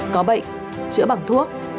có bệnh chữa bằng thuốc